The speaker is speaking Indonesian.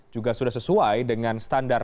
juga sudah sesuai dengan standar